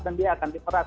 dan dia akan diperas